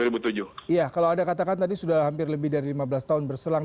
iya kalau anda katakan tadi sudah hampir lebih dari lima belas tahun berselang